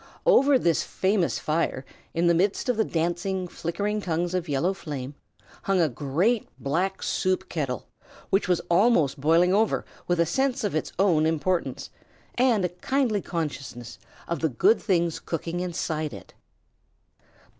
Over this famous fire, in the very midst of the dancing, flickering tongues of yellow flame, hung a great black soup kettle, which was almost boiling over with a sense of its own importance, and a kindly consciousness of the good things cooking inside it.